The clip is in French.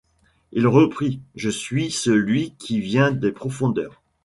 Il reprit :— Je suis celui qui vient des profondeurs.